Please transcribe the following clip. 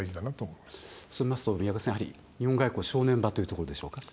そう見ますと、宮家さん日本外交、正念場というところでしょうか。